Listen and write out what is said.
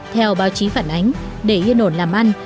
theo báo chí phản ánh để yên ổn làm ăn